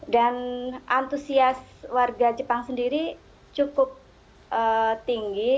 antusias warga jepang sendiri cukup tinggi